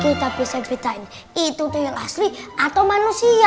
kita bisa ceritain itu tuyul asli atau manusia